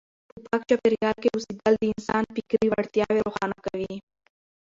په پاک چاپیریال کې اوسېدل د انسان فکري وړتیاوې روښانه کوي.